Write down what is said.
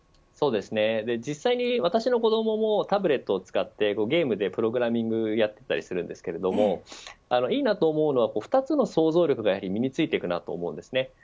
実際に私の子どももタブレットを使ってゲームでプログラミングをやっていたりしますがいいなと思うのは２つの想像力が身についている点です。